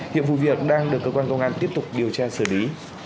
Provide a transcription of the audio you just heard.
hiện vụ việc đang được cơ quan công an tiếp tục điều tra xử lý